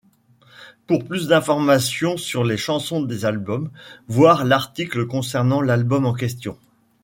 Pour plus d'informations sur les chansons des albums, voir l'article concernant l'album en question.